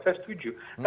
itu yang harus dipanggil